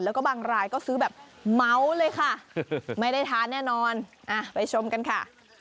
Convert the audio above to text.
แล้วก็บางรายก็ซื้อแบบเมาเลยค่ะไม่ได้ทานแน่นอนไปชมกันค่ะ